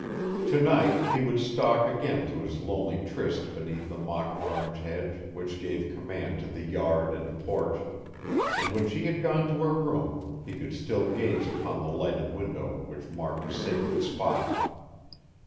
To night he would stalk again to his lonely tryst beneath the mock orange hedge, which gave command of the yard and porch, and when she had gone to her room, he could still gaze upon the lighted window which marked a sacred spot.